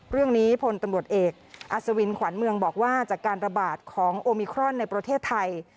เรื่องนี้ผลตำบทเอกอาศวินขวานเมืองบอกว่าจากการระบาดของโอมิครอนในประเทศไทย